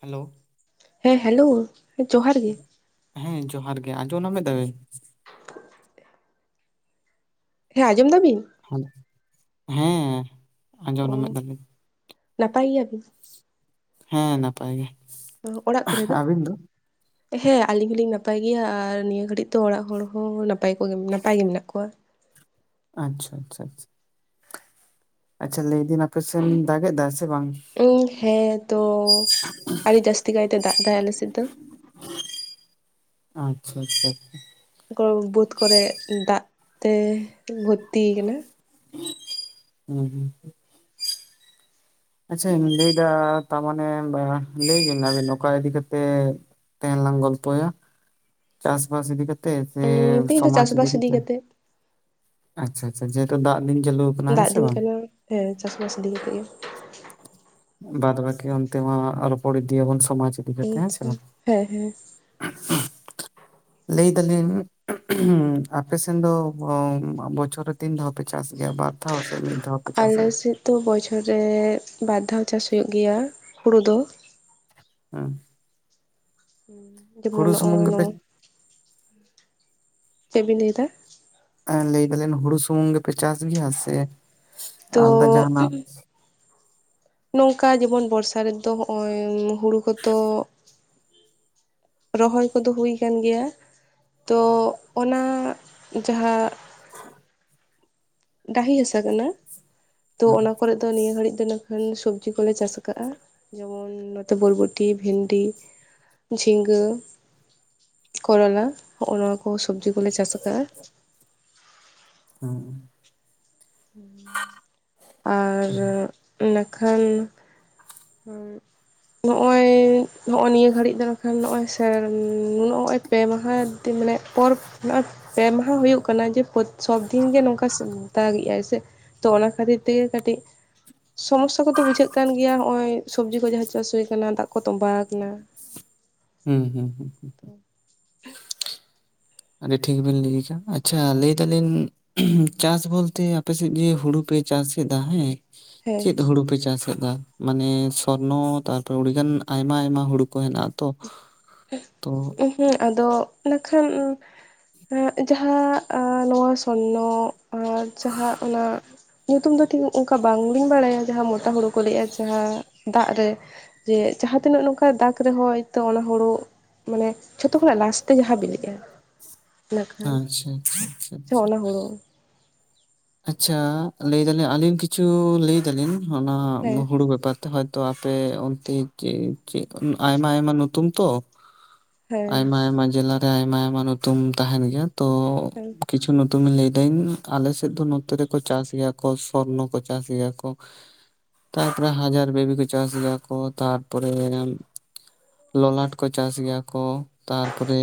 Hello ᱦᱮᱸ hello ᱡᱚᱦᱟᱨ ᱜᱮ ᱦᱮᱸ ᱡᱚᱦᱟᱨ ᱜᱮ ᱟᱸᱡᱚ ᱱᱟ ᱫᱟ ᱵᱤᱱ ᱦᱮᱸ ᱟᱸᱡᱚᱢ ᱫᱟ ᱵᱤᱱ ᱦᱳᱭ ᱠᱟᱱᱟ ᱦᱩᱸ ᱳ ᱱᱟᱯᱟᱭ ᱜᱤᱭᱟ ᱵᱤᱱ ᱦᱮᱸ ᱱᱟᱯᱟᱭ ᱜᱮ ᱚ ᱚᱲᱟᱜ ᱠᱚᱨᱮ ᱫᱚ ᱦᱮᱸ ᱟᱹᱞᱤᱧ ᱦᱚᱞᱤᱧ ᱱᱟᱯᱟᱭ ᱜᱮᱭᱟ ᱟᱨ ᱱᱤᱭᱟᱹ ᱜᱷᱟᱹᱲᱤᱡ ᱛᱚ ᱚᱲᱟᱜ ᱦᱚᱲ ᱦᱚᱸ ᱱᱟᱯᱟᱭ ᱠᱚᱜᱮ ᱱᱟᱯᱟᱭ ᱜᱮ ᱢᱮᱱᱟᱜ ᱠᱚᱣᱟ ᱟᱪᱪᱷᱟ ᱟᱪᱷᱟ ᱟᱪᱷᱟ ᱟᱪᱪᱷᱟ ᱞᱟᱹᱭ ᱵᱤᱱ ᱟᱯᱮᱥᱮᱱ ᱫᱟᱜ ᱮ ᱫᱟ ᱥᱮ ᱵᱟᱝ ᱤᱧ ᱦᱮᱸ ᱛᱚ ᱟᱹᱰᱤ ᱡᱟᱹᱥᱛᱤ ᱠᱟᱭᱛᱮ ᱫᱟᱜ ᱫᱟᱭ ᱟᱞᱮᱥᱮᱫ ᱫᱚ ᱟᱪᱪᱷᱟ ᱟᱪᱪᱷᱟ ᱟᱪᱪᱷᱟ ᱠᱚ ᱵᱟᱹᱫᱽ ᱠᱚᱨᱮ ᱫᱟᱜ ᱛᱮ ᱵᱷᱚᱨᱛᱤ ᱠᱟᱱᱟ ᱦᱩᱸ ᱦᱩᱸ ᱟᱪᱪᱷᱟᱧ ᱞᱟᱹᱭᱫᱟ ᱛᱟᱢᱟᱱᱮ ᱞᱟᱹᱭ ᱵᱮᱱ ᱟᱹᱵᱮᱱ ᱚᱠᱟ ᱤᱫᱤ ᱠᱟᱛᱮᱫ ᱛᱮᱦᱮᱱ ᱞᱟᱝ ᱜᱚᱞᱯᱚᱭᱟ ᱪᱟᱥ ᱵᱟᱥ ᱤᱫᱤ ᱠᱟᱛ ᱛᱮ ᱥᱮ ᱩᱸ ᱛᱮᱦᱮᱧ ᱫᱚ ᱥᱚᱢᱟᱡ ᱤᱫᱤ ᱪᱟᱥᱵᱟᱥ ᱠᱟᱛᱮ ᱠᱟᱛᱮᱜ ᱟᱪᱪᱷᱟ ᱟᱪᱪᱷᱟ ᱡᱮᱦᱮᱛᱩ ᱫᱟᱜ ᱫᱤᱱ ᱪᱟᱞᱩ ᱫᱟᱜ ᱫᱤᱱ ᱠᱟᱱᱟ ᱦᱮᱸ ᱪᱟᱥ ᱵᱟᱥ ᱤᱫᱤ ᱠᱟᱛᱮᱜ ᱜᱮ ᱵᱟᱫ ᱵᱟᱹᱠᱤ ᱚᱱᱛᱮ ᱢᱟ ᱟ ᱨᱚᱯᱚᱲ ᱤᱫᱤᱭᱟᱵᱚᱱ ᱥᱚᱢᱟᱡᱽ ᱤᱫᱤ ᱠᱟᱛᱮᱜ ᱦᱮᱸ ᱟᱪᱪᱷᱟ ᱥᱮ ᱵᱟᱝ [inaudible] ᱦᱮᱸ ᱦᱮᱸ ᱞᱟᱹᱭ ᱫᱟᱞᱤᱧ ᱟᱯᱮᱥᱮᱱ ᱫᱚ ᱵᱚᱪᱷᱚᱨ ᱛᱤᱱ ᱫᱷᱟᱣ ᱯᱮ ᱪᱟᱥ ᱜᱮᱭᱟ ᱵᱟᱨ ᱫᱷᱟᱣ ᱥᱮ ᱢᱤᱫ ᱫᱷᱟᱣ ᱯᱮ ᱪᱟᱥ ᱜᱮᱭᱟ ᱛᱚ ᱵᱚᱪᱷᱚᱨ ᱨᱮ ᱵᱟᱨ ᱫᱷᱟᱣ ᱪᱟᱥ ᱦᱩᱭᱩᱜ ᱜᱮᱭᱟ ᱦᱩᱲᱩ ᱫᱚ [inaudible] ᱡᱮᱢᱚᱱ ᱦᱩᱲᱩ ᱥᱩᱢᱩᱝ ᱱᱚᱜᱼᱚᱭ ᱜᱮᱯᱮ ᱱᱚᱣᱟ᱾ ᱪᱮᱫ ᱵᱤᱱ ᱞᱟᱹᱭᱮᱫᱟ ᱮᱸ ᱞᱟᱹᱭ ᱫᱟᱞᱮᱧ ᱦᱩᱲᱩ ᱥᱩᱢᱩᱝ ᱜᱮᱯᱮ ᱪᱟᱥ ᱜᱮᱭᱟ ᱥᱮ ᱛᱚ ᱟᱞᱫᱟ ᱡᱟᱦᱟᱸ ᱱᱟᱜ ᱱᱚᱝᱠᱟ ᱡᱮᱢᱚᱱ ᱵᱚᱨᱥᱟ ᱨᱮᱫᱚ ᱦᱚᱸᱜᱼᱚᱭ ᱦᱩᱲᱩ ᱠᱚᱛᱚ ᱨᱚᱦᱚᱭ ᱠᱚᱫᱚ ᱦᱩᱭ ᱠᱟᱱ ᱜᱮᱭᱟ ᱛᱚ ᱚᱱᱟ ᱡᱟᱦᱟ ᱰᱟᱹᱦᱤ ᱦᱟᱥᱟ ᱠᱟᱱᱟ ᱛᱚ ᱦᱮᱸ ᱚᱱᱟ ᱠᱚᱨᱮ ᱛᱚ ᱱᱤᱭᱟᱹ ᱜᱷᱟᱹᱲᱤᱡ ᱫᱚ ᱤᱱᱟᱹ ᱠᱷᱟᱱ ᱥᱚᱵᱽᱡᱤ ᱠᱚᱞᱮ ᱪᱟᱥ ᱠᱟᱜᱼᱟ ᱡᱮᱢᱚᱱ ᱱᱚᱛᱮ ᱵᱚᱞᱵᱚᱴᱤ ᱵᱷᱤᱱᱰᱤ ᱡᱷᱤᱸᱜᱟᱹ ᱠᱚᱨᱚᱞᱟ ᱦᱚᱜᱼᱚᱭ ᱱᱚᱣᱟ ᱠᱚ ᱥᱚᱵᱡᱤ ᱠᱚᱞᱮ ᱪᱟᱥ ᱟᱠᱟᱜᱼᱟ [inaudible] ᱟᱨ ᱤᱱᱟ ᱠᱷᱟᱱ ᱱᱚᱜᱼᱚᱭ ᱱᱚᱜᱼᱦᱳᱭ ᱱᱤᱭᱟᱹ ᱜᱷᱟᱹᱲᱤᱡ ᱫᱟᱨᱮ ᱠᱷᱟᱱ ᱱᱚᱜᱼᱚᱭ ᱥᱮ ᱱᱩᱱᱟᱹᱜ ᱯᱮ ᱢᱟᱦᱟ ᱫᱤ ᱢᱟᱱᱮ ᱯᱚᱨᱚᱵᱽ ᱯᱮ ᱢᱟᱦᱟ ᱦᱩᱭᱩᱜ ᱠᱟᱱᱟ ᱡᱮ ᱥᱚᱵ ᱫᱤᱱ ᱜᱮ ᱱᱚᱝᱠᱟ ᱫᱟᱜ ᱮᱜᱟᱭ ᱥᱮ ᱛᱚ ᱚᱱᱟ ᱠᱷᱟᱹᱛᱤᱨ ᱛᱤᱜᱤ ᱠᱟᱹᱴᱤᱡ ᱥᱚᱢᱚᱥᱟ ᱠᱚᱫᱚ ᱵᱩᱡᱷᱟᱹᱜ ᱠᱟᱱ ᱜᱮᱭᱟ ᱦᱚᱜ ᱼᱚᱭ ᱥᱚᱵᱡᱤᱽ ᱠᱚ ᱡᱟᱦᱟᱸ ᱪᱟᱥ ᱦᱩᱭᱠᱟᱱᱟ ᱫᱟᱜ ᱠᱚ ᱛᱚᱸᱵᱟ ᱟᱠᱟᱱᱟ ᱦᱩᱸ ᱦᱩᱸ ᱦᱩᱸ ᱦᱩᱸ ᱦᱩᱸ ᱟᱹᱰᱤ ᱴᱷᱤᱠ ᱵᱤᱱ ᱞᱟᱹᱭ ᱠᱟᱜ ᱟᱪᱪᱷᱟ ᱞᱟᱹᱭ ᱫᱟᱹᱞᱤᱧ ᱪᱟᱥ ᱵᱳᱞᱛᱮ ᱟᱯᱮ ᱥᱮᱫ ᱜᱮ ᱦᱩᱲᱩ ᱯᱮ ᱪᱟᱥ ᱮᱫᱟ ᱦᱮᱸ ᱦᱮᱸ ᱪᱮᱫ ᱦᱩᱲᱩ ᱯᱮ ᱪᱟᱥ ᱠᱟᱫᱟ ᱢᱟᱱᱮ ᱥᱚᱨᱱᱚ ᱛᱟᱨᱯᱚᱨ ᱩᱲᱤᱜᱟᱱ ᱟᱭᱢᱟ ᱟᱭᱢᱟ ᱦᱩᱲᱩ ᱠᱚ ᱦᱮᱱᱟᱜᱼᱟ ᱛᱚ ᱛᱚ ᱩᱦᱩᱸ ᱟᱫᱚ ᱤᱱᱟ ᱠᱷᱟᱱ ᱮᱸ ᱡᱟᱦᱟᱸ ᱟ ᱱᱚᱣᱟ ᱛᱚ ᱱᱚᱜ ᱟᱨ ᱡᱟᱦᱟᱸ ᱚᱱᱟ ᱧᱩᱛᱩᱢ ᱫᱚ ᱴᱷᱤᱠ ᱚᱝᱠᱟ ᱵᱟᱝᱞᱤᱧ ᱵᱟᱲᱟᱭᱟ ᱡᱟᱦᱟᱸ ᱢᱚᱴᱟ ᱦᱩᱲᱩ ᱠᱚ ᱞᱟᱹᱭᱮᱼᱟ ᱡᱟᱦᱟᱸ ᱫᱟᱜ ᱨᱮ ᱡᱮ ᱡᱟᱦᱟᱸ ᱛᱤᱱᱟᱹᱜ ᱱᱚᱝᱠᱟᱭ ᱫᱟᱜ ᱨᱮ ᱦᱚᱸᱭᱛᱚ ᱚᱱᱟ ᱦᱳᱲᱳ ᱢᱟᱱᱮ ᱡᱷᱚᱛᱚ ᱠᱷᱚᱱᱟᱜ ᱞᱟᱥᱛᱮ ᱡᱟᱦᱟᱸ ᱵᱤᱞᱤᱜᱼᱟ ᱤᱱᱟᱹᱠᱷᱟᱱ ᱟᱪᱪᱷᱟ ᱟᱪᱪᱷᱟ ᱥᱮ ᱚᱱᱟ ᱦᱩᱲᱩ ᱟᱪᱪᱷᱟ ᱞᱮᱹᱭᱫᱟᱞᱤᱧ ᱟᱹᱞᱤᱧ ᱠᱤᱪᱷᱩ ᱞᱮᱹᱭᱫᱟᱞᱤᱧ ᱚᱱᱟ ᱦᱮᱸ ᱦᱩᱲᱩ ᱵᱮᱯᱟᱨ ᱛᱚ ᱦᱚᱭᱛᱚ ᱟᱯᱮ ᱚᱱᱛᱮ ᱪᱮᱜ ᱪᱮᱜ ᱟᱭᱢᱟ ᱟᱭᱢᱟ ᱱᱩᱛᱩᱢ ᱛᱚ ᱦᱮᱸ ᱟᱭᱢᱟ ᱟᱭᱢᱟ ᱡᱮᱞᱟᱨᱮ ᱟᱭᱢᱟ ᱟᱭᱢᱟ ᱱᱩᱛᱩᱢ ᱛᱟᱦᱮᱱ ᱜᱮᱭᱟ ᱛᱚ ᱦᱮᱸ ᱠᱤᱪᱷᱩ ᱱᱩᱛᱩᱢ ᱤᱧ ᱞᱟᱹᱭ ᱫᱟᱹᱧ ᱟᱞᱮᱥᱮ ᱦᱮᱛᱚ ᱱᱚᱛᱮ ᱨᱮᱠᱚ ᱪᱟᱥ ᱜᱮᱭᱟ ᱠᱚ ᱥᱚᱨᱱᱚ ᱠᱚ ᱪᱟᱥ ᱜᱮᱭᱟ ᱠᱚ ᱛᱟᱨᱯᱚᱨᱮ ᱦᱟᱡᱟᱨ ᱵᱮᱵᱤ ᱠᱚ ᱪᱟᱥ ᱜᱮᱭᱟ ᱠᱚ ᱛᱟᱨᱯᱚᱨᱮ ᱞᱚᱞᱟᱴ ᱠᱚ ᱪᱟᱥ ᱜᱮᱭᱟ ᱠᱚ ᱛᱟᱨᱯᱚᱨᱮ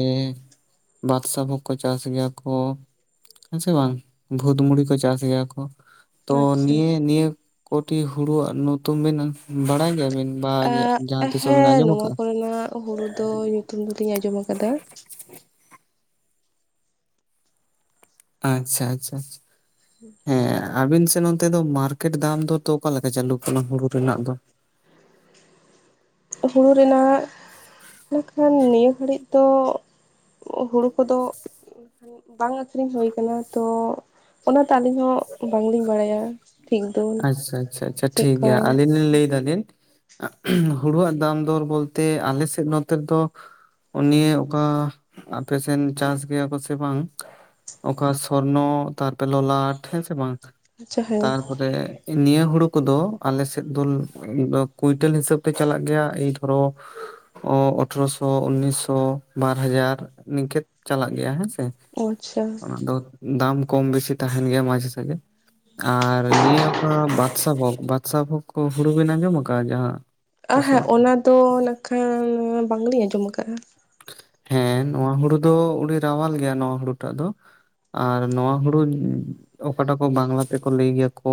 ᱵᱟᱫᱥᱟᱵᱷᱳᱠ ᱠᱚ ᱪᱟᱥ ᱜᱮᱭᱟ ᱠᱚ ᱦᱮᱸ ᱥᱮ ᱵᱟᱝ ᱵᱷᱩᱛᱢᱩᱲᱤ ᱠᱚ ᱪᱟᱥ ᱜᱮᱭᱟ ᱠᱚ ᱛᱚ ᱟᱪᱪᱷᱟ ᱱᱤᱭᱟᱹ ᱱᱤᱭᱟᱹ ᱠᱳᱴᱤ ᱦᱩᱲᱩᱣᱟᱜ ᱱᱩᱛᱩᱢ ᱵᱤᱱ ᱵᱟᱲᱟᱭ ᱜᱮᱭᱟᱵᱤᱱ ᱵᱟ ᱡᱟᱦᱟᱸ ᱟᱜ ᱛᱤᱥᱚᱜ ᱵᱤᱱ ᱦᱮᱸ ᱟᱸᱡᱚᱢ ᱱᱚᱣᱟ ᱟᱠᱟᱜᱼᱟ? ᱠᱚᱨᱮᱱᱟᱜ ᱦᱩᱲᱩ ᱫᱚ ᱧᱩᱛᱩᱢ ᱫᱩᱞᱤᱧ ᱟᱸᱡᱚᱢ ᱠᱟᱫᱟ ᱟᱪᱪᱷᱟ ᱟᱪᱪᱷᱟᱪᱷᱟ ᱦᱩᱸ ᱦᱮᱸ ᱟᱵᱤᱱ ᱥᱮᱫ ᱚᱱᱛᱮ ᱫᱚ ᱢᱟᱨᱠᱮᱴ ᱫᱟᱢ ᱫᱚ ᱛᱚ ᱚᱠᱟ ᱞᱮᱠᱟ ᱪᱟᱹᱞᱩᱜ ᱠᱟᱱᱟ ᱦᱩᱲᱩ ᱨᱮᱱᱟᱜ ᱫᱚ ᱦᱩᱲᱩ ᱨᱮᱱᱟᱜ ᱢᱮᱱᱠᱷᱟᱱ ᱱᱤᱭᱟᱹ ᱜᱷᱟᱹᱲᱤ ᱛᱚ ᱦᱩᱲᱩ ᱠᱚᱫᱚ ᱵᱟᱝ ᱟᱹᱠᱷᱨᱤᱧ ᱦᱩᱭ ᱠᱟᱱᱟ ᱛᱚ ᱚᱱᱟᱛᱮ ᱟᱹᱞᱤᱧ ᱦᱚᱸ ᱵᱟᱝᱞᱤᱧ ᱵᱟᱲᱟᱭᱟ ᱴᱷᱤᱠ ᱫᱚ ᱟᱪᱪᱷᱟ ᱟᱪᱪᱷᱟ ᱟᱪᱷᱟ ᱪᱮᱫᱠᱟ ᱴᱷᱤᱠᱜᱮᱭᱟ ᱟᱹᱞᱤᱧ ᱞᱤᱧ ᱞᱮᱹᱭ ᱫᱟᱹᱞᱤᱱ ᱦᱩᱲᱳᱣᱟᱜ ᱫᱟᱢ ᱫᱚᱨ ᱵᱳᱞᱛᱮ ᱟᱞᱮ ᱥᱮᱫ ᱱᱚᱛᱮ ᱫᱚ ᱚᱱᱤᱭᱟᱹ ᱚᱠᱟ ᱟᱯᱮᱥᱱ ᱪᱟᱥ ᱜᱮᱭᱟ ᱠᱚ ᱥᱮ ᱵᱟᱝ ᱚᱠᱟ ᱥᱚᱨᱱᱚ ᱛᱟᱨᱯᱚᱨᱮ ᱞᱚᱞᱟᱴ ᱦᱮᱸ ᱥᱮ ᱵᱟᱝ ᱟᱪᱪᱷᱟ ᱦᱮᱸ [unintelligible] ᱨᱮ ᱱᱤᱭᱟᱹ ᱦᱩᱲᱩ ᱠᱚᱫᱚ ᱟᱞᱮᱥᱮᱫ ᱫᱚ ᱠᱩᱭᱴᱟᱹᱞ ᱦᱤᱥᱟᱹᱵ ᱛᱮ ᱪᱟᱞᱟᱜ ᱜᱮᱭᱟ ᱮᱭ ᱫᱷᱚᱨᱚ ᱦ [unintelligible] ᱚ ᱚᱴᱷᱨᱚ ᱥᱚ ᱩᱱᱤᱥ ᱥᱚ ᱵᱟᱨ ᱦᱟᱡᱟᱨ ᱱᱤᱝᱠᱮᱛ ᱪᱟᱞᱟᱜ ᱜᱮᱭᱟ ᱦᱮᱸᱥᱮ ᱚ ᱟᱪᱪᱷᱟ ᱚᱱᱟ ᱫᱚ ᱫᱟᱢ ᱠᱚᱢ ᱵᱤᱥᱤ ᱛᱟᱸᱦᱮᱱ ᱜᱮᱭᱟ ᱢᱟᱡᱷᱮ ᱥᱟᱡᱷᱮ ᱟᱨ ᱱᱤᱭᱟᱹ ᱚᱠᱟ ᱵᱟᱫᱥᱟ ᱵᱷᱳᱜᱽ ᱵᱟᱫᱥᱟ ᱵᱷᱳᱜᱽ ᱠᱚ ᱦᱩᱲᱩ ᱵᱤᱱ ᱟᱸᱡᱚᱢ ᱟᱠᱟᱫᱼᱟ ᱡᱟᱦᱟᱸ ᱟᱸ ᱦᱮᱸ ᱛᱤᱥᱚᱜ ᱚᱱᱟᱫᱚ ᱱᱟᱜᱠᱷᱟᱱ ᱵᱟᱝᱞᱤᱧ ᱟᱸᱡᱚᱢ ᱠᱟᱜᱼᱟ ᱦᱮᱸ ᱱᱚᱣᱟ ᱦᱩᱲᱩ ᱫᱚ ᱩᱹᱰᱤ ᱨᱟᱣᱟᱞ ᱜᱮᱭᱟ ᱱᱚᱣᱟ ᱦᱩᱲᱩ ᱴᱟᱜ ᱫᱚ ᱟᱨ ᱱᱚᱣᱟ ᱦᱩᱲᱩ ᱚᱠᱟᱴᱟᱜ ᱠᱚ ᱵᱟᱝᱞᱟ ᱛᱮᱠᱚ ᱞᱮᱹᱭ ᱜᱮᱭᱟ ᱠᱚ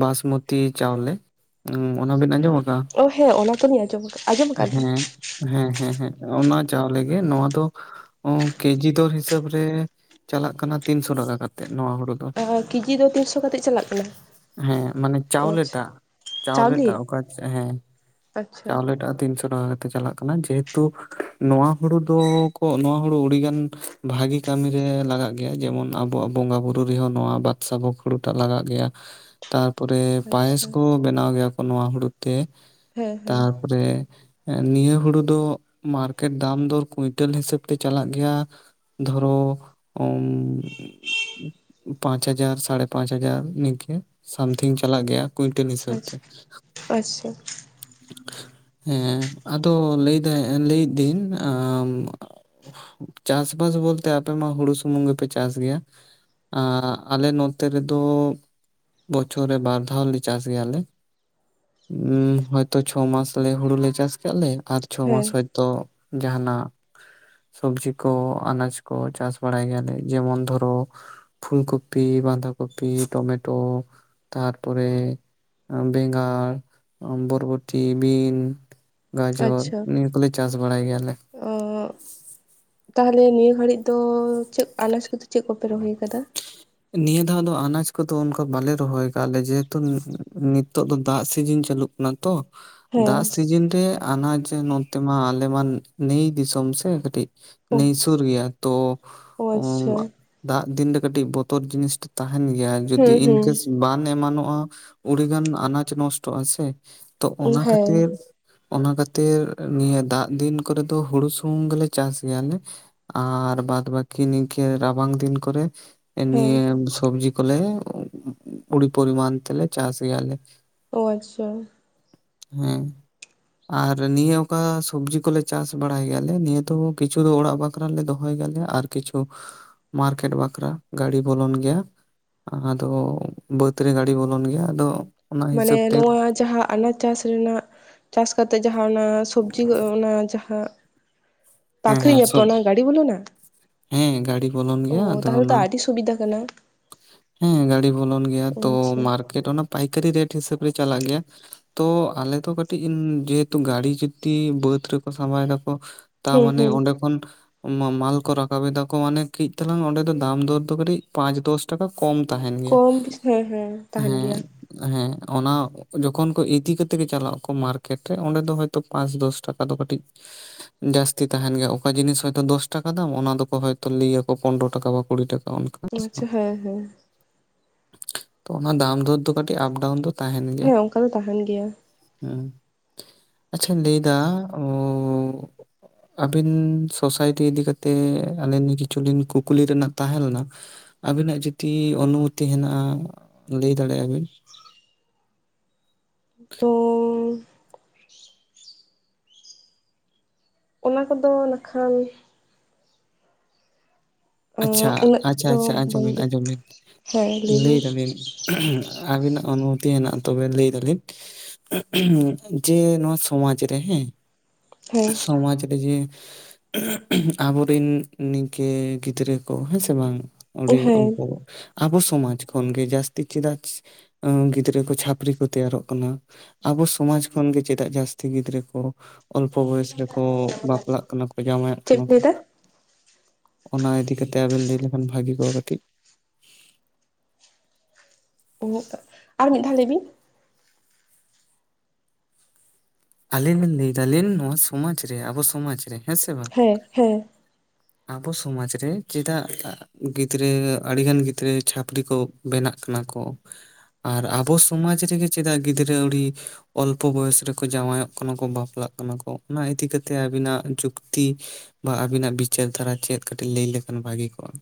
ᱵᱟᱥᱢᱚᱛᱤ ᱪᱟᱣᱞᱮ ᱚᱱᱟ ᱵᱤᱱ ᱟᱸᱡᱚᱢ ᱟᱠᱟᱜᱼᱟ ᱚ ᱦᱮᱸ ᱚᱱᱟ ᱛᱚ ᱞᱤᱧ ᱟᱸᱡᱚᱢ ᱠᱟᱜᱼᱟ ᱟᱸᱡᱚᱢ ᱠᱟᱜᱼᱟ ᱞᱤᱧ ᱦᱮᱸ ᱦᱮᱸ ᱦᱮᱸ ᱦᱮᱸ ᱚᱱᱟ ᱪᱟᱣᱞᱮ ᱜᱮ ᱱᱚᱣᱟ ᱫᱚ ᱚ ᱠᱮᱡᱤ ᱫᱚᱨ ᱦᱤᱥᱟᱹᱵ ᱨᱮ ᱪᱟᱞᱟᱜ ᱠᱟᱱᱟ ᱛᱤᱱᱥᱚ ᱴᱟᱠᱟ ᱠᱟᱛᱮᱫ ᱱᱚᱣᱟ ᱦᱳᱲᱳ ᱫᱚ ᱠᱮᱡᱤ ᱫᱚ ᱛᱤᱱᱥᱚ ᱠᱟᱛᱮᱫ ᱪᱟᱞᱟᱜ ᱠᱟᱱᱟ ᱦᱮᱸ ᱢᱟᱱᱮ ᱚ ᱪᱟᱣᱞᱮ ᱟᱪᱪᱷᱟ ᱴᱟᱜ ᱪᱟᱣᱞᱮ ᱴᱟᱜ ᱚᱠᱟ ᱦᱮᱸ ᱟᱪᱪᱷᱟ ᱪᱟᱣᱞᱮ ᱴᱟᱜ ᱛᱤᱱᱥᱚ ᱴᱟᱠᱟ ᱠᱟᱛᱮ ᱪᱟᱞᱟᱜ ᱠᱟᱱᱟ ᱡᱮᱦᱮᱛᱩ ᱱᱚᱣᱟ ᱦᱳᱲᱩ ᱫᱚᱠᱚ ᱱᱚᱣᱟ ᱦᱳᱲᱩ ᱩᱹᱲᱤᱜᱟᱱ ᱵᱷᱟᱜᱤ ᱠᱟᱹᱢᱤ ᱨᱮ ᱞᱟᱜᱟᱜ ᱜᱮᱭᱟ ᱡᱮᱢᱚᱱ ᱟᱵᱳᱣᱟᱜ ᱵᱚᱸᱜᱟ ᱵᱩᱨᱩ ᱨᱮᱦᱚᱸ ᱱᱚᱣᱟ ᱵᱟᱫᱥᱟᱵᱷᱳᱠ ᱦᱩᱲᱩᱴᱟᱜ ᱞᱟᱜᱟᱜ ᱜᱮᱭᱟ ᱛᱟᱨ ᱯᱚᱨᱮ ᱯᱟᱭᱮᱥ ᱟᱪᱪᱷᱟ ᱠᱚ ᱵᱮᱱᱟᱣ ᱜᱮᱭᱟ ᱠᱚ ᱱᱚᱣᱟ ᱦᱳᱲᱩ ᱛᱮ ᱦᱮᱸ ᱦᱮᱸ ᱨᱮ ᱱᱤᱭᱟᱹ ᱦᱩᱲᱩ ᱫᱚ ᱢᱟᱨ ᱠᱮᱴ ᱫᱟᱢ ᱫᱚ ᱠᱩᱭᱱᱴᱟᱞ ᱦᱤᱥᱟᱹᱵ ᱛᱮ ᱪᱟᱞᱟᱜ ᱜᱮᱭᱟ ᱫᱷᱚᱨᱚᱻ ᱩᱸ ᱯᱟᱸᱪ ᱦᱟᱡᱟᱨ ᱥᱟᱲᱮ ᱯᱟᱸᱪ ᱦᱟᱡᱟᱨ, ᱱᱤᱝᱠᱟᱹ᱾ ᱥᱟᱢᱛᱷᱤᱝ ᱪᱟᱞᱟᱜ ᱜᱮᱭᱟ ᱠᱩᱭᱤᱱᱴᱮᱞ ᱦᱤᱥᱟᱹᱵ ᱛᱮ᱾ ᱟᱪᱪᱷᱟ ᱟᱪᱪᱷᱟ ᱮᱸ, ᱟᱫᱚ ᱞᱟᱹᱭ ᱫᱟ, ᱞᱮᱭᱫᱟᱹᱱ ᱟᱻ ᱪᱟᱥᱵᱟᱥ ᱵᱚᱞᱛᱮ ᱟᱯᱮ ᱢᱟ ᱦᱩᱲᱩ ᱥᱩᱢᱩᱝ ᱜᱮᱯᱮ ᱪᱟᱥ ᱜᱮᱭᱟ ᱟ ᱟᱞᱮ ᱱᱚᱛᱮ ᱨᱮᱫᱚ ᱵᱚᱪᱷᱚᱨ ᱨᱮ ᱵᱟᱨ ᱫᱷᱟᱣ ᱞᱮ ᱪᱟᱥ ᱜᱮᱭᱟᱞᱮ᱾ ᱩᱸᱻ ᱦᱚᱭᱛᱳ ᱪᱷᱚ ᱢᱟᱥ ᱞᱮ ᱦᱩᱲᱩ ᱞᱮ ᱪᱟᱥ ᱠᱟᱜ ᱞᱮ ᱟᱨ ᱪᱷᱚ ᱦᱮᱸ ᱢᱟᱥ ᱛᱚ ᱡᱟᱦᱟᱱᱟᱜ ᱥᱚᱵᱡᱤ ᱠᱚ ᱟᱱᱟᱡ ᱠᱚ ᱪᱟᱥ ᱵᱟᱲᱟᱭ ᱜᱮᱭᱟᱞᱮ, ᱡᱮᱢᱚᱱ ᱫᱷᱚᱨᱚ ᱯᱷᱩᱞᱠᱚᱯᱤ, ᱵᱟᱸᱫᱷᱟ ᱠᱚᱯᱤ, ᱴᱚᱢᱮᱴᱳ ᱛᱟᱨᱯᱚᱨᱮ ᱵᱮᱸᱜᱟᱲ, ᱵᱚᱨᱵᱚᱴᱤ, ᱵᱤᱱ, ᱜᱟᱡᱚᱨ ᱟᱪᱪᱷᱟ ᱱᱤᱭᱟᱹ ᱠᱚᱞᱮ ᱵᱟᱭ ᱜᱮᱭᱟᱞᱮ᱾ ᱚ ᱸ ᱛᱟᱦᱚᱞᱮ ᱱᱤᱭᱟᱹ ᱜᱷᱟᱹᱲᱤᱜ ᱫᱚ ᱪᱮᱫ ᱟᱱᱟᱡ ᱠᱟᱛᱮ ᱪᱮᱫ ᱠᱚᱯᱮ ᱨᱚᱦᱚᱭ ᱟᱠᱟᱫᱟ? ᱱᱤᱭᱟᱹ ᱫᱷᱟᱣ ᱫᱚ ᱟᱱᱟᱡᱽ ᱠᱚᱫᱚ ᱚᱱᱠᱟ ᱵᱟᱞᱮ ᱨᱚᱦᱚᱭ ᱠᱟᱜᱼᱟ ᱞᱮ ᱾ ᱡᱮᱦᱮᱛᱩ ᱱᱤᱛᱚᱜ ᱫᱚ ᱫᱟᱜ ᱥᱤᱡᱤᱱ ᱪᱟᱹᱞᱩᱜ ᱠᱟᱱᱟ ᱛᱚ ᱦᱮᱸ ᱫᱟᱜ ᱥᱤᱡᱤᱱ ᱨᱮ ᱼᱼ ᱟᱱᱟᱡ ᱱᱚᱛᱮ ᱢᱟ ᱟᱞᱮ ᱢᱟ ᱱᱟᱹᱭ ᱫᱤᱥᱚᱢ ᱥᱮ ᱠᱟᱹᱴᱤᱡ ᱚ ᱱᱟᱹᱭ ᱥᱩᱨ ᱜᱮᱭᱟ ᱛᱚ ᱚ ᱟᱪᱪᱷᱟ ᱼᱼ ᱫᱟᱜ ᱫᱤᱱ ᱨᱮ ᱠᱟᱹᱴᱤᱡ ᱵᱚᱛᱚᱨ ᱡᱤᱱᱤᱥ ᱴᱟᱜ ᱛᱟᱦᱮᱱ ᱜᱮᱭᱟ, ᱡᱩᱫᱤ ᱦᱩᱸ ᱦᱩᱸ ᱤᱱᱠᱮᱥ ᱵᱟᱱ ᱮᱢᱟᱱᱚᱜᱼᱟ ᱩᱹᱰᱤᱜᱟᱱ ᱟᱱᱟᱡ ᱱᱚᱥᱴᱚᱜᱼᱟ ᱥᱮ, ᱛᱚ ᱚᱱᱟ ᱦᱮᱸ ᱠᱷᱟᱹᱛᱤᱨ ᱼᱼ ᱚᱱᱟ ᱠᱷᱟᱹᱛᱤᱨ, ᱱᱤᱭᱟᱹ ᱫᱟᱜ ᱫᱤᱱ ᱠᱚᱨᱮ ᱫᱚ ᱦᱩᱲᱩ ᱥᱩᱢᱩᱝ ᱜᱮᱞᱮ ᱪᱟᱥ ᱜᱮᱭᱟᱞᱮ ᱾ ᱟᱨ ᱵᱟᱫ ᱵᱟᱠᱤ ᱱᱤᱠᱟᱹ ᱨᱟᱵᱟᱝ ᱫᱤᱱ ᱠᱚᱨᱮ ᱦᱮᱸ ᱱᱤᱭᱟᱹ ᱥᱚᱵᱡᱤ ᱠᱚᱞᱮ ᱩᱰᱤ ᱯᱚᱨᱤᱢᱟᱱ ᱛᱮᱞᱮ ᱪᱟᱥ ᱜᱮᱭᱟᱞᱮ᱾ ᱚ ᱟᱪᱪᱷᱟ᱾ ᱦᱮᱸ ᱾ ᱟᱨ ᱱᱤᱭᱟᱹ ᱚᱠᱟ ᱥᱚᱵᱡᱤ ᱠᱚᱞᱮ ᱪᱟᱥ ᱵᱟᱲᱟᱭ ᱜᱮᱭᱟᱞᱮ ᱱᱤᱭᱟᱹ ᱫᱚ ᱠᱤᱪᱷᱩ ᱫᱚ ᱚᱲᱟᱜ ᱵᱟ ᱼᱠᱷᱨᱟ ᱞᱮ ᱫᱚᱦᱚᱭ ᱜᱮᱭᱟᱞᱮ, ᱟᱨ ᱠᱤᱪᱷᱩ ᱢᱟᱨᱠᱮᱴ ᱵᱟᱠᱷᱨᱟ ᱜᱟᱹᱰᱤ ᱵᱚᱞᱚᱱ ᱜᱮᱭᱟ ᱾ ᱟᱫᱚ ᱵᱟᱹᱛ ᱨᱮ ᱜᱟᱹᱰᱤ ᱵᱚᱞᱚᱱ ᱜᱮᱭᱟ ᱟᱫᱚ ᱚᱱᱟ ᱢᱟᱱᱮ ᱦᱤᱥᱟᱹᱵ ᱛᱮ ᱱᱚᱣᱟ ᱡᱟᱦᱟᱸ ᱟᱱᱟᱡ ᱪᱟᱥ ᱨᱮᱱᱟᱜ ᱪᱟᱥ ᱠᱟᱛᱮᱜ ᱡᱟᱦᱟᱸ ᱚᱱᱟ ᱥᱚᱵᱡᱤ ᱠᱚ ᱚᱱᱟ ᱡᱟᱦᱟᱸ ᱦᱮᱸ ᱦᱮᱸ ᱯᱟᱠᱷᱨᱤᱧ ᱟᱯᱮ ᱥᱚᱵ ᱚᱱᱟ ᱜᱟᱹᱰᱤ ᱵᱚᱞᱚᱱᱟ? ᱦᱮᱸ, ᱜᱟᱰᱤ ᱵᱚᱞᱚᱱ ᱜᱮᱭᱟ ᱚ ᱟᱫᱚ ᱛᱟᱦᱚᱞᱮ ᱛᱚ ᱚᱱᱟ ᱟᱹᱰᱤ ᱥᱩᱵᱤᱫᱷᱟ ᱠᱟᱱᱟ ᱦᱮᱸ ᱜᱟᱹᱰᱤ ᱵᱚᱞᱚᱱ ᱜᱮᱭᱟ ᱚ ᱛᱚ ᱟᱪᱪᱷᱟ ᱢᱟᱨᱠᱮᱴ ᱾ ᱚᱱᱟ ᱯᱟᱭᱠᱟᱨᱤ ᱨᱮᱹᱴ ᱦᱤᱥᱟᱹᱵ ᱨᱮ ᱪᱟᱞᱟᱜ ᱜᱮᱭᱟ᱾ ᱛᱚᱻ ᱟᱞᱮ ᱫᱚ ᱠᱟᱹᱴᱤᱡ ᱡᱮᱦᱮᱛᱩ ᱜᱟᱹᱲᱤ ᱡᱩᱫᱤ ᱵᱟᱹᱛ ᱨᱮᱠᱚ ᱥᱟᱢᱵᱟᱭ ᱫᱟᱠᱚ ᱛᱟ ᱦᱩᱸ ᱢᱟᱱᱮ ᱦᱩᱸ ᱚᱸᱰᱮ ᱠᱷᱚᱱ ᱼᱼ ᱢᱟᱞ ᱠᱚ ᱨᱟᱠᱟᱵ ᱮᱫᱟ ᱠᱚ ᱢᱟᱱᱮ ᱠᱟᱹᱡ ᱛᱟᱞᱟᱝ ᱚᱸᱰᱮ ᱫᱚ ᱫᱟᱢ ᱫᱚᱨ ᱫᱚ ᱠᱟᱹᱴᱤᱡ ᱯᱟᱸᱪ ᱫᱚᱥ ᱴᱟᱠᱟ ᱠᱚᱢ ᱛᱟᱦᱮᱱ ᱜᱮᱭᱟ, ᱠᱚᱢ ᱦᱮᱸ ᱦᱮᱸ ᱛᱟᱦᱮᱱ ᱜᱮᱭᱟ ᱦᱮᱸ ᱦᱮᱸ ᱚᱱᱟᱼᱼ ᱡᱚᱠᱷᱚᱱ ᱠᱚ ᱤᱫᱤ ᱠᱟᱛᱮ ᱜᱮ ᱪᱟᱞᱟᱜ ᱟᱠᱚ ᱢᱟᱨᱠᱮᱴ ᱨᱮ, ᱚᱸᱰᱮ ᱫᱚ ᱦᱚᱭᱛᱚ ᱯᱟᱸᱪ ᱫᱚᱥ ᱴᱟᱠᱟ ᱫᱚ ᱠᱟᱹᱴᱤᱡ ᱡᱟᱹᱥᱛᱤ ᱛᱟᱦᱮᱱ ᱜᱮᱭᱟ ᱚᱠᱟ ᱡᱤᱱᱤᱥ ᱦᱚᱭᱛᱚ ᱫᱚᱥ ᱴᱟᱠᱟ ᱫᱟᱢ ᱚᱱᱟ ᱫᱚᱠᱚ ᱦᱚᱭᱛᱚ ᱞᱟᱹᱭ ᱟᱠᱚ ᱯᱚᱱᱨᱚ ᱴᱟᱠᱟ ᱵᱟ ᱠᱩᱲᱤ ᱴᱟᱠᱟ ᱚᱱᱠᱟ᱾ ᱦᱮᱸ ᱥᱮ ᱟᱪᱪᱷᱟ, ᱵᱟᱝ? ᱦᱮᱸ ᱦᱮᱸ᱾ ᱛᱚ ᱚᱱᱟ ᱫᱟᱢ ᱫᱚᱨ ᱫᱚ ᱠᱟᱹᱴᱤᱡ ᱟᱯ ᱰᱟᱣᱩᱱ ᱫᱚ ᱛᱟᱦᱮᱱ ᱜᱮᱭᱟ ᱦᱮᱸ ᱚᱱᱠᱟ ᱫᱚ ᱛᱟᱦᱮᱱ ᱜᱮᱭᱟ ᱦᱩᱸ᱾ ᱟᱪᱪᱷᱟᱧ ᱞᱟᱹᱭᱮᱫᱟ ᱚᱻ ᱟᱹᱵᱤᱱᱻ ᱥᱳᱥᱟᱭᱴᱤ ᱤᱫᱤ ᱠᱟᱛᱮᱻ ᱟᱹᱞᱤᱧ ᱠᱤᱪᱷᱩ ᱞᱤᱱ ᱠᱩᱠᱞᱤ ᱨᱮᱱᱟᱜ ᱛᱟᱦᱮᱸ ᱞᱮᱱᱟ᱾ ᱟᱹᱵᱤᱱᱟᱜ ᱡᱩᱴᱤ ᱚᱱᱩᱢᱚᱛᱤ ᱦᱮᱱᱟᱜᱼᱟ ᱞᱟᱹᱭ ᱫᱟᱲᱮᱜ ᱟᱵᱤᱱ ᱾ [inaudible] ᱛᱚᱻ ᱚᱱᱟ ᱠᱚᱫᱚ ᱱᱟᱠᱷᱟᱱᱼᱼ ᱟᱪᱪᱷᱟ ᱩᱱᱟᱹᱜ ᱟᱪᱪᱷᱟ ᱫᱚ ᱟᱪᱪᱷᱟ ᱟᱸᱡᱚᱢ ᱵᱤᱱ ᱵᱟᱝᱜᱮ ᱟᱸᱡᱚᱢ ᱵᱤᱱ ᱦᱮᱸ ᱞᱟᱹᱭ ᱞᱮᱹᱭ ᱵᱤᱱ ᱫᱟᱞᱤᱱ ᱟᱹᱵᱤᱱᱟᱜ ᱚᱱᱩᱢᱚᱛᱤ ᱦᱮᱱᱟᱜᱼᱟ ᱛᱚᱵᱮ ᱞᱟᱹᱭ ᱫᱟᱞᱤᱧ᱾ [unintelligible] ᱡᱮ ᱱᱚᱣᱟ ᱥᱚᱢᱟᱡ ᱨᱮ ᱦᱮᱸᱼᱼ ᱦᱮᱸ ᱥᱚᱢᱟᱡᱽ ᱨᱮ ᱡᱮᱼᱼ [unintelligible] ᱟᱵᱚ ᱨᱤᱱ ᱱᱤᱝᱠᱟᱹ ᱜᱤᱫᱽᱨᱟᱹ ᱠᱚ ᱦᱮᱸ ᱥᱮ ᱵᱟᱝᱼᱼ ᱟᱹᱰᱤ ᱦᱮᱸ ᱚᱞᱯᱚᱼᱼ ᱟᱵᱚ ᱥᱚᱢᱟᱡᱽ ᱠᱷᱚᱱ ᱜᱮ ᱡᱟᱹᱥᱛᱤ ᱪᱮᱫᱟᱜ ᱜᱤᱫᱽᱨᱟᱹ ᱠᱚ ᱪᱷᱟᱹᱯᱨᱤ ᱠᱚ ᱛᱮᱭᱟᱨᱚᱜ ᱠᱟᱱᱟ? ᱟᱵᱚ ᱥᱚᱢᱟᱡᱽ ᱠᱷᱚᱱ ᱜᱮ ᱪᱮᱫᱟᱜ ᱜᱤᱫᱽᱨᱟᱹ ᱠᱚ ᱼᱼ ᱚᱞᱯᱚ ᱵᱚᱭᱮᱥ ᱨᱮᱠᱚ ᱵᱟᱯᱞᱟᱜ ᱠᱟᱱᱟ ᱠᱚ ᱡᱟᱶᱟᱭᱟᱜ ᱪᱮᱫ ᱠᱟᱱᱟ ᱠᱚ? ᱞᱟᱹᱭ ᱫᱟ ᱚᱱᱟ ᱤᱫᱤ ᱠᱟᱛᱮ ᱟᱵᱮᱱ ᱞᱟᱹᱭ ᱞᱮᱠᱷᱟᱱ ᱵᱷᱟᱜᱤ ᱠᱚᱜᱼᱟ ᱠᱟᱹᱴᱤᱡ ᱾ ᱚᱱᱮ ᱛᱚ ᱟᱨ ᱢᱤᱫ ᱫᱷᱟᱣ ᱞᱟᱹᱭ ᱵᱤᱱ ᱾ ᱟᱹᱞᱤᱧ ᱞᱤᱧ ᱞᱟᱹᱭ ᱫᱟᱞᱤᱧ ᱱᱚᱣᱟ ᱥᱚᱢᱟᱡᱽ ᱨᱮ ᱟᱵᱚ ᱥᱚᱢᱟᱡᱽ ᱨᱮ ᱦᱮᱸ ᱥᱮ ᱵᱟᱝ ᱦᱮᱸ ᱦᱮᱸ ᱼᱼ ᱟᱵᱚ ᱥᱚᱢᱟᱡᱽ ᱨᱮ ᱪᱮᱫᱟᱜ ᱼᱼ ᱜᱤᱫᱽᱨᱟᱹ ᱟᱹᱰᱤᱜᱟᱱ ᱜᱤᱫᱽᱨᱟᱹ ᱪᱷᱟᱹᱯᱨᱤ ᱠᱚ ᱵᱮᱱᱟᱜ ᱠᱟᱱᱟ ᱠᱚ? ᱟᱨ ᱟᱵᱚ ᱥᱚᱢᱟᱡᱽ ᱨᱮᱜᱮ ᱪᱮᱫᱟᱜ ᱜᱤᱫᱽᱨᱟᱹ ᱟᱹᱰᱤ ᱚᱞᱯᱚ ᱵᱚᱭᱚᱥ ᱨᱮᱠᱚ ᱼᱼ ᱡᱟᱶᱟᱭᱚᱜ ᱠᱟᱱᱟ ᱠᱚ ᱵᱟᱯᱞᱟᱜ ᱠᱟᱱᱟ ᱠᱚ ᱚᱱᱟ ᱤᱫᱤ ᱠᱟᱛᱮ ᱟᱵᱤᱱᱟᱜ ᱡᱩᱠᱛᱤ ᱼᱼ ᱵᱟ ᱟᱵᱤᱱᱟᱜ ᱵᱤᱪᱟᱹᱨ ᱫᱷᱟᱨᱟ ᱪᱮᱫ ᱠᱟᱹᱴᱤᱡ ᱞᱟᱹᱭ ᱞᱮᱠᱷᱟᱱ ᱵᱷᱟᱹᱜᱤ ᱠᱚᱜᱼᱟ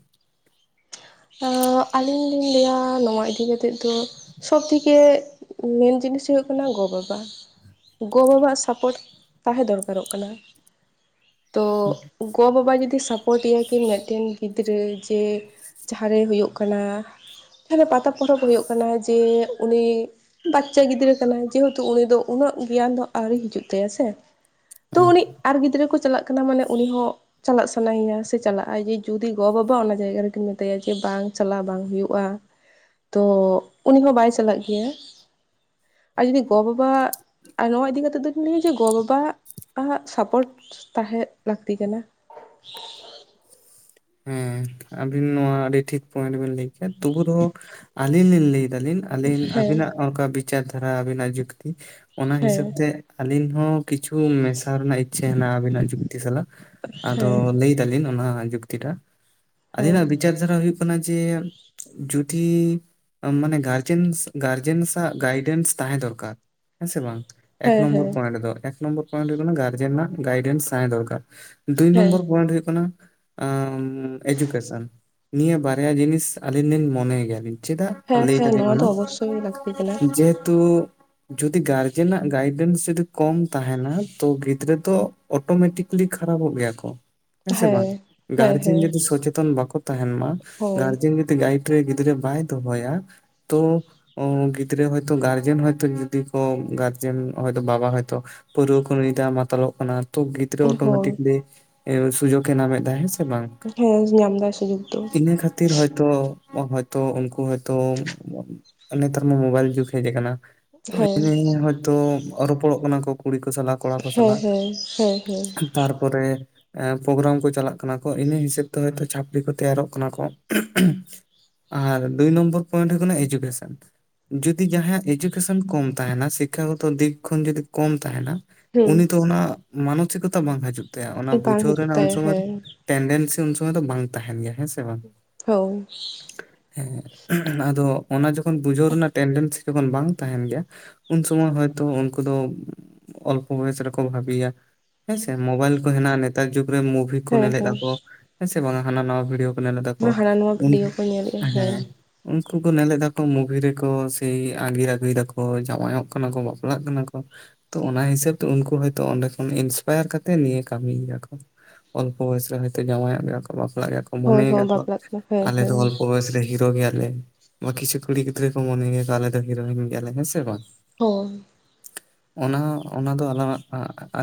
ᱟᱹᱞᱤᱧ ᱞᱤᱧ ᱞᱟᱹᱭᱟ ᱱᱚᱶᱟ ᱤᱫᱤ ᱠᱟᱛᱮᱫ ᱫᱚ ᱥᱚᱵ ᱛᱷᱮᱠᱮ ᱢᱮᱱ ᱡᱤᱱᱤᱥ ᱦᱚᱭᱚᱜ ᱠᱟᱱᱟ ᱜᱚ-ᱵᱟᱵᱟ ᱜᱚ-ᱵᱟᱵᱟᱣᱟᱜ ᱥᱟᱯᱚᱴ ᱛᱟᱦᱮᱸ ᱫᱚᱨᱠᱟᱨᱚᱜ ᱠᱟᱱᱟ ᱛᱚ ᱜᱚᱼᱵᱟᱵᱟ ᱡᱩᱫᱤ ᱥᱟᱯᱳᱨᱴ ᱮᱭᱟ ᱠᱤᱱ ᱢᱤᱫᱴᱮᱱ ᱜᱤᱫᱽᱨᱟᱹ ᱡᱮ ᱡᱟᱦᱟᱸ ᱨᱮ ᱦᱩᱭᱩᱜ ᱠᱟᱱᱟ ᱡᱟᱦᱟᱸᱨᱮ ᱯᱟᱛᱟ ᱯᱚᱨᱚᱵᱽ ᱦᱩᱭᱩᱜ ᱠᱟᱱᱟ ᱡᱮ ᱩᱱᱤ ᱵᱟᱪᱪᱟ ᱜᱤᱫᱽᱨᱟᱹ ᱠᱟᱱᱟᱭ ᱡᱮᱦᱮᱛᱩ ᱩᱱᱤ ᱫᱚ ᱩᱱᱟᱹᱜ ᱜᱮᱭᱟᱱ ᱫᱚ ᱟᱹᱣᱨᱤ ᱦᱤᱡᱩᱜ ᱛᱟᱭᱟ ᱥᱮ ᱛᱚ ᱦᱮᱸ ᱩᱱᱤ ᱟᱨ ᱜᱤᱫᱽᱨᱟᱹ ᱠᱚ ᱪᱟᱞᱟᱜ ᱠᱟᱱᱟ ᱢᱟᱱᱮ ᱩᱱᱤ ᱦᱚᱸ ᱪᱟᱞᱟᱜ ᱥᱟᱱᱟᱭᱮᱭᱟ ᱥᱮ ᱪᱟᱞᱟᱜᱼᱟᱭ ᱡᱮ ᱡᱩᱫᱤ ᱜᱚ-ᱵᱟᱵᱟ ᱚᱱᱟ ᱡᱟᱭᱜᱟ ᱨᱮᱠᱤᱱ ᱢᱮ..... ᱛᱟᱭᱟ ᱡᱮ ᱵᱟᱝ ᱪᱟᱞᱟᱜ ᱵᱟᱝ ᱦᱩᱭᱩᱜᱼᱟ ᱛᱚ ᱩᱱᱤ ᱦᱚᱸ ᱵᱟᱭ ᱪᱟᱞᱟᱜ ᱜᱮᱭᱟ ᱟᱨ ᱡᱩᱫᱤ ᱜᱚ-ᱵᱟᱵᱟ ᱟᱨ ᱱᱚᱣᱟ ᱤᱫᱤ ᱠᱟᱛᱮᱜ ᱫᱚᱧ ᱞᱟᱹᱭᱟ ᱡᱮ ᱜᱚ-ᱵᱟᱵᱟ ᱟᱜ ᱥᱟᱯᱚᱨᱴ ᱛᱟᱦᱮᱸᱫ ᱞᱟᱹᱠᱛᱤ ᱠᱟᱱᱟ ᱦᱮᱸ ᱟᱵᱤᱱ ᱱᱚᱶᱟ ᱟᱹᱰᱤ ᱴᱷᱤᱠ ᱯᱚᱤᱱᱴ ᱵᱤᱱ ᱞᱟᱹᱭ ᱠᱮᱜ-ᱟ ᱛᱚᱵᱩ ᱨᱚᱦᱚᱸ ᱟᱹᱞᱤᱧ ᱞᱤᱧ ᱞᱟᱹᱭᱫᱟ ᱞᱤᱧ ᱟᱹᱞᱤᱧ ᱦᱮᱸ ᱟᱹᱵᱤᱱᱟᱜ ᱚᱱᱠᱟ ᱵᱤᱪᱟᱨ ᱫᱷᱟᱨᱟ ᱟᱹᱵᱤᱱᱟᱜ ᱡᱩᱠᱛᱤ ᱚᱱᱟ ᱦᱮᱸ ᱦᱤᱥᱟᱹᱵ ᱛᱮ ᱟᱹᱞᱤᱧ ᱦᱚᱸ ᱠᱤᱪᱷᱩ ᱢᱮᱥᱟ ᱨᱮᱱᱟᱜ ᱤᱪᱪᱟᱹ ᱦᱮᱱᱟᱜᱼᱟ ᱟᱵᱤᱱᱟᱜ ᱡᱩᱠᱛᱤ ᱥᱟᱞᱟᱜ ᱟᱫᱚ ᱦᱮᱸ ᱞᱟᱹᱭ ᱫᱟᱜ ᱞᱤᱱ ᱚᱱᱟ ᱡᱩᱠᱛᱤ ᱴᱟᱜ ᱦᱮᱸ ᱟᱹᱞᱤᱧᱱᱟᱜ ᱵᱤᱪᱟ. ᱨ ᱵᱤᱪᱟ. ᱨ ᱦᱩᱭᱩᱜ ᱠᱟᱱᱟ ᱡᱮ ᱡᱩᱫᱤ ᱢᱟᱱᱮ ᱜᱟᱨᱡᱮᱱ ᱥ.. ᱜᱟᱨᱡᱮᱱᱥ ᱟᱜ ᱜᱟᱭᱰᱮᱱᱥ ᱛᱟᱦᱮᱸ ᱫᱚᱨᱠᱟᱨ ᱦᱮᱸ ᱥᱮ ᱵᱟᱝ ᱮᱠ ᱦᱮᱸ ᱱᱚᱢᱵᱚᱨ ᱦᱮᱸ ᱯᱚᱤᱱᱴ ᱫᱚ‌ ᱮᱠ ᱱᱚᱢᱵᱚᱨ ᱯᱚᱤᱱᱴ ᱫᱚ ᱦᱩᱭᱩᱜ ᱠᱟᱱᱟ ᱜᱟᱨᱡᱮᱱ ᱟᱜ ᱜᱟᱭᱰᱮᱱᱥ ᱛᱟᱦᱮᱱ ᱫᱚᱨᱠᱟᱨ ᱫᱩᱭ ᱦᱮᱸ ᱱᱚᱢᱵᱚᱨ ᱯᱚᱤᱱᱴ ᱦᱩᱭᱩᱜ ᱠᱟᱱᱟ ᱟᱸᱻ ᱮᱡᱩᱠᱮᱥᱚᱱ ᱱᱤᱭᱟᱹ ᱵᱟᱨᱭᱟ ᱡᱤᱱᱤᱥ ᱟᱹᱞᱤᱧ ᱞᱤᱧ ᱢᱚᱱᱮ ᱜᱮᱭᱟᱞᱤᱧ ᱪᱮᱫᱟᱜ ᱦᱮᱸ ᱞᱟᱹᱭ ᱦᱮᱸ ᱮᱫᱟᱞᱤᱧ ᱱᱚᱣᱟ ᱢᱟᱱᱮ ᱫᱚ ᱚᱵᱚᱥᱥᱳᱭ ᱞᱟᱹᱠᱛᱤ ᱠᱟᱱᱟ ᱡᱮᱦᱮᱛᱩ ᱡᱩᱫᱤ ᱜᱟᱨᱡᱮᱱᱟᱜ ᱜᱟᱭᱰᱮᱱᱥ ᱡᱩᱫᱤ ᱠᱚᱢ ᱛᱟᱦᱮᱱᱟ ᱛᱚ ᱜᱤᱫᱽᱨᱟᱹ ᱫᱚ ᱚᱴᱚᱢᱮᱴᱤᱠᱞᱤ ᱠᱷᱟᱨᱟᱵᱚᱜ ᱜᱮᱭᱟ ᱠᱚ ᱦᱮᱸ ᱥᱮ ᱵᱟᱝ ᱦᱮᱸ ᱜᱟᱨᱡᱮᱱ ᱦᱮᱸ ᱡᱩᱫᱤ ᱥᱚᱪᱮᱛ ᱟᱱ ᱵᱟᱠᱚ ᱛᱟᱦᱮᱱ ᱢᱟ ᱦᱳᱭ ᱜᱟᱨᱡᱮᱱ ᱡᱩᱫᱤ ᱜᱟᱭᱤᱰ ᱨᱮ ᱜᱤᱫᱽᱨᱟᱹ ᱵᱟᱭ ᱫᱚᱦᱚᱭᱟ ᱛᱚ ᱚ ᱜᱤᱫᱽᱨᱟᱹ ᱦᱚᱭᱛᱚ ᱜᱟᱨᱡᱮᱱ ᱦᱚᱭᱛᱚ ᱡᱩᱫᱤ ᱠᱚ ᱜᱟᱨᱡᱮᱱ ᱦᱚᱭᱛᱚ ᱵᱟᱵᱟ ᱦᱚᱭᱛᱚ ᱯᱟᱹᱨᱣᱟᱹ ᱠᱚ ᱧᱩᱭᱫᱟ ᱢᱟᱛᱟᱞᱚᱜ ᱠᱟᱱᱟ ᱛᱚ ᱜᱤᱫᱽᱨᱟᱹ ᱦᱳᱭ ᱚᱴᱚᱢᱮᱴᱤᱠᱞᱤ ᱮᱸᱻ ᱥᱩᱡᱚᱜ ᱮ ᱧᱟᱢᱮ ᱮᱫᱟ ᱦᱮᱸ ᱥᱮ ᱦᱮ ᱵᱟᱝ ᱦᱮᱸ ᱧᱟᱢ ᱫᱟᱭ ᱥᱩᱡᱳᱜᱽ ᱫᱚ ᱤᱱᱟᱹ ᱠᱷᱟᱹ...... ᱛᱤᱨ ᱦᱚᱭᱛᱚ, ᱦᱚᱭᱛᱚ ᱩᱱᱠᱩ ᱦᱚᱭᱛᱚ ᱱᱮᱛᱟᱨ ᱢᱟ ᱢᱩᱵᱟᱭᱤᱞ ᱡᱩᱜ ᱦᱮᱡ ᱟᱠᱟᱱᱟ ᱛᱚ ᱦᱮᱸ [unintelligible] ᱦᱚᱭᱛᱳ ᱨᱚᱯᱚᱲᱚᱜ ᱠᱟᱱᱟ ᱠᱚ ᱠᱩᱲᱤ ᱠᱚ ᱥᱟᱞᱟᱜ ᱠᱚᱲᱟ ᱠᱚ ᱦᱮᱸ ᱥᱟᱞᱟᱜ ᱦᱮᱸ ᱦᱮᱸ ᱛᱟᱨᱯᱚᱨᱮ ᱯᱨᱚᱜᱨᱟᱢ ᱠᱚ ᱪᱟᱞᱟᱜ ᱠᱟᱱᱟ ᱠᱚ ᱤᱱᱟᱹ ᱦᱤᱥᱟᱹᱵ ᱛᱮ ᱦᱚᱭᱛᱚ ᱪᱷᱟᱹᱯᱲᱤ ᱠᱚ ᱛᱮᱭᱟᱨᱚᱜ ᱠᱟᱱᱟ ᱠᱳ ᱟᱨ ᱫᱩᱭ ᱱᱚᱢᱵᱚᱨ ᱯᱚᱤᱱᱴ ᱦᱩᱭᱩᱜ ᱠᱟᱱᱟ ᱮᱡᱩᱠᱮᱥᱚᱱ ᱡᱩᱫᱤ ᱡᱟᱦᱟᱸᱭᱟᱜ ᱮᱡᱩᱠᱮᱥᱚᱱ ᱠᱚᱢ ᱛᱟᱦᱮᱱᱟ ᱥᱤᱠᱷᱟ. ᱜᱚᱛᱚ ᱫᱤᱠ ᱠᱷᱚᱱ ᱡᱩᱫᱤ ᱠᱚᱢ ᱛᱟᱦᱮᱱᱟ ᱦᱮᱸ ᱩᱱᱤ ᱫᱚ ᱚᱱᱟ ᱢᱟᱱᱚᱥᱤᱠᱚᱛᱟ ᱵᱟᱝ ᱦᱤᱡᱩᱜ ᱛᱟᱭᱟ ᱚᱱᱟ ᱦᱩᱸ ᱵᱟᱝ ᱵᱩᱡᱷᱟᱹᱣ ᱦᱤᱡᱩᱜ ᱨᱮᱱᱟᱜ ᱩᱱ ᱛᱟᱭᱟ ᱥᱚᱢᱚᱭ ᱦᱮᱸ ᱴᱮᱱᱰᱮᱱᱥᱤ ᱩᱱ ᱥᱚᱢᱚᱭ ᱫᱚ ᱵᱟᱝ ᱛᱟᱦᱮᱱ ᱜᱮᱭᱟ ᱦᱮᱸ ᱥᱮ ᱵᱟᱝ ᱦᱚᱩ.... ᱦᱮᱸ [unintelligible] ᱟᱫᱚ ᱚᱱᱟ ᱡᱚᱠᱷᱚᱱ ᱵᱩᱡᱷᱟᱹᱣ ᱨᱮᱱᱟᱜ ᱴᱮᱱᱰᱮᱱᱥᱤ ᱡᱚᱠᱷᱚᱱ ᱵᱟᱝ ᱛᱟᱦᱮᱱ ᱜᱮᱭᱟ ᱩᱱ ᱥᱚᱢᱚᱭ ᱦᱚᱭᱛᱳ ᱩᱱᱠᱩ ᱫᱚ ᱚᱞᱯᱚ ᱵᱚᱭᱮᱥ ᱨᱮᱠᱚ ᱵᱷᱟᱹᱵᱤᱭᱟ ᱦᱮᱸᱥᱮ ᱢᱩᱵᱟᱭᱤᱞ ᱠᱚ ᱦᱮᱱᱟᱜᱼᱟ ᱱᱮᱛᱟᱨ ᱡᱩᱜᱽ ᱨᱮ ᱢᱩᱵᱷᱤ ᱠᱚ ᱦᱮᱸ ᱱᱮᱞ ᱮᱜ-ᱟ ᱦᱮᱸ ᱠᱚ ᱦᱮᱸ ᱥᱮ ᱵᱟᱝ ᱦᱟᱱᱟ ᱱᱷᱟᱣᱟ ᱵᱷᱤᱰᱭᱚ ᱠᱚ ᱱᱮᱞ ᱮᱫᱟ ᱠᱚ ᱦᱟᱱᱟ ᱱᱟᱣᱟ ᱩᱱ ᱵᱷᱤᱰᱭᱳ ᱠᱚ ᱧᱮᱞᱮᱫᱼᱟ ᱦᱮᱸ ᱩᱱᱠᱩ ᱠᱚ ᱱᱮᱞ ᱮᱫᱟ ᱠᱚ ᱢᱩᱵᱷᱤ ᱨᱮ ᱠᱚ ᱥᱮ ᱟᱸᱜᱤᱨ ᱟᱹᱜᱩᱭ ᱮᱫᱟ ᱠᱚ ᱡᱟᱶᱟᱭᱚᱜ ᱠᱟᱱᱟ ᱠᱚ ᱵᱟᱯᱞᱟᱜ ᱠᱟᱱᱟ ᱠᱚ ᱛᱚ ᱚᱱᱟ ᱦᱤᱥᱟᱹᱵᱽ ᱛᱮ ᱩᱱᱠᱩ ᱦᱚᱭᱛᱚ ᱚᱸᱰᱮ ᱠᱷᱚᱱ ᱤᱱᱥᱯᱟᱭᱟᱨ ᱠᱟᱛᱮ ᱱᱤᱭᱟᱹ ᱠᱟᱹᱢᱤ ᱮᱫᱟ ᱠᱚ ᱚᱞᱯᱚ ᱵᱚᱭᱚᱥ ᱨᱮ ᱦᱚᱭᱛᱚ ᱡᱟᱶᱟᱭᱚᱜ ᱜᱮᱭᱟ ᱠᱚ ᱵᱟᱯᱞᱟᱜ ᱜᱮᱭᱟ ᱠᱚ ᱦᱳᱭ ᱢᱚᱱᱮ ᱦᱳᱭ ᱟᱠᱟᱜ ᱠᱚ ᱵᱟᱯᱞᱟᱜ ᱠᱟᱱᱟ ᱦᱮᱸ ᱟᱞᱮ ᱫᱚ ᱦᱮᱸ ᱚᱞᱯᱚ ᱵᱚᱭᱚᱥ ᱨᱮ ᱦᱤᱨᱚ ᱜᱮᱭᱟ ᱞᱮ ᱵᱟ ᱠᱤᱪᱷᱩ ᱠᱩᱲᱤ ᱜᱤᱫᱽᱨᱟ. ᱠᱚ ᱢᱚᱱᱮ ᱜᱮᱭᱟ ᱠᱚ ᱟᱞᱮ ᱫᱚ ᱦᱤᱨᱚᱭᱤᱱ ᱜᱤᱭᱟ ᱞᱮ ᱦᱮᱸ ᱥᱮ ᱵᱟᱝ ᱦᱚᱭ ᱚᱱᱟ ᱚᱱᱟ ᱫᱚ ᱟᱞᱟᱝ ᱟᱜ [unintelligible]